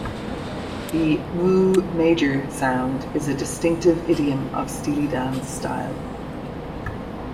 The "mu major sound" is a distinctive idiom of Steely Dan's style.